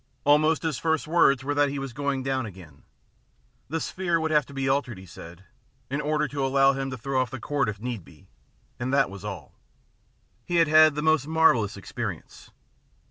Almost his first words were that he was going down again. The sphere would have to be altered, he said, in order to allow him to throw off the cord if need be, and that was all. He had had the most marvellous experience.